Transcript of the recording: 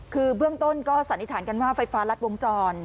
คือเบื้องต้นก็สันนิษฐานกันว่าไฟฟ้ารัดวงจร